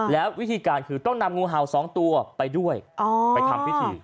แล้ววิธีการคือต้องนำงูเห่า๒ตัวไปด้วยไปทำพิธี